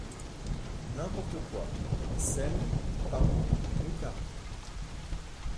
n’importe quoi : sel, pain, moutarde